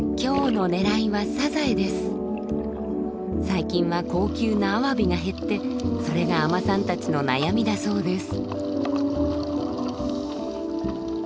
最近は高級なアワビが減ってそれが海女さんたちの悩みだそうです。